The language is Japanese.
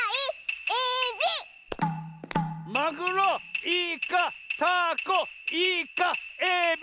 マグロイカタコイカエビ！